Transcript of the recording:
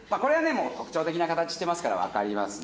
もう特徴的な形してますからわかりますね。